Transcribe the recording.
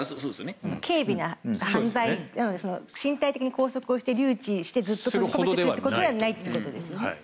軽微な犯罪ですので身体的な拘束をして留置して、ずっとということではないということですよね。